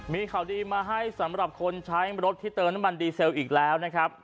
มีข่าวดีมาให้สำหรับคนใช้รถที่เติมน้ำมันดีเซลอีกแล้วนะครับ